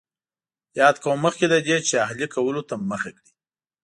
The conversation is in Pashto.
یاد قوم مخکې له دې چې اهلي کولو ته مخه کړي.